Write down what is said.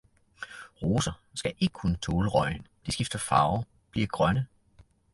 Roser skal ikke kunne tåle røgen, de skifter farve, bliver grønne.